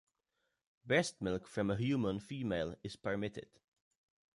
Breast milk from a human female is permitted.